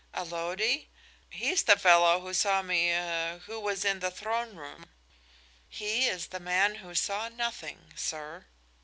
"Allode? He's the fellow who saw me er who was in the throne room." "He is the man who saw nothing, sir."